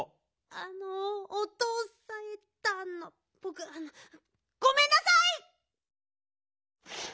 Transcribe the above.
あのおとうさんえっとあのごめんなさい！